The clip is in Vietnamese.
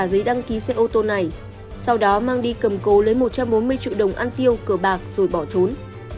giấy đăng ký xe ô tô này sau đó mang đi cầm cố lấy một trăm bốn mươi triệu đồng ăn tiêu cờ bạc rồi bỏ trốn